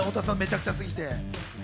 太田さん、めちゃくちゃすぎて。